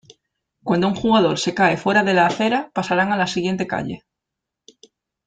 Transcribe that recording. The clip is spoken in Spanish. Cuando un jugador se cae fuera de la acera, pasarán a la siguiente calle.